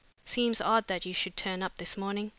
"Seems odd that you should turn up this morning.